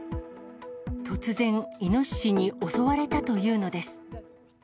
突然、イノシシに襲われたというのです。